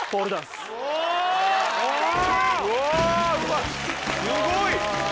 すごい！